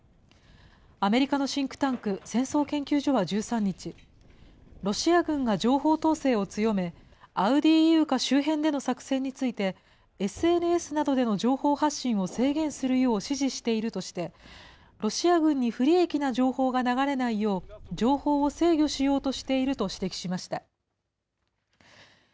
アメリカのシンクタンク、戦争研究所は１３日、ロシア軍が情報統制を強め、アウディーイウカ周辺での作戦について、ＳＮＳなどでの情報発信を制限するよう指示しているとして、ロシア軍に不利益な情報が流れないよう、情報を制御しようとしていると指摘しました。